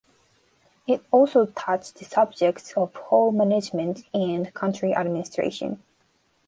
It also touched the subjects of home management and country administration.